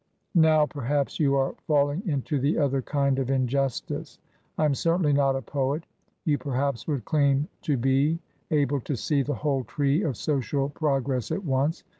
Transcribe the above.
]" Now, perhaps, you are falling into the other kind of injustice. I am certainly not a poet. You perhaps would claim to be able to see the whole tree of Social Progress at once.